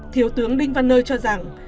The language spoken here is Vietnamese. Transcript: thiếu tướng đinh văn nơi cho rằng